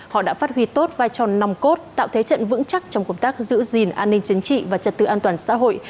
họ đã phát huy tốt vai tròn nòng cốt tạo thế trận vững chắc trong công tác giữ gìn an ninh chính trị và trật tự an toàn xã hội